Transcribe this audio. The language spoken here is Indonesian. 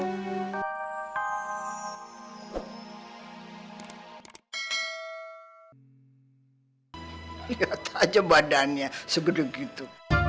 lihat aja badannya segede gitu